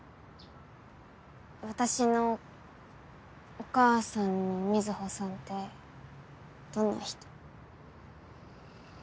私のお母さんの水帆さんってどんな人？